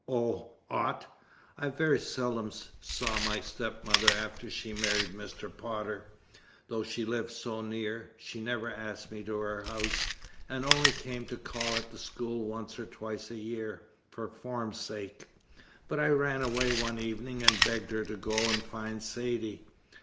"Oh ought! I very seldom saw my stepmother after she married Mr. Potter. Though she lived so near, she never asked me to her house, and only came to call at the school once or twice a year, for form's sake. But I ran away one evening and begged her to go and find Saidee.